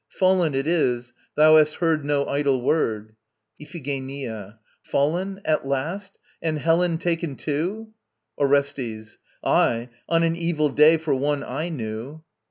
Fallen it is. Thou hast heard no idle word. IPHIGENIA. Fallen! At last! And Helen taken too? ORESTES. Aye; on an evil day for one I knew.